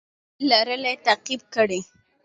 ازادي راډیو د اقلیم د تحول لړۍ تعقیب کړې.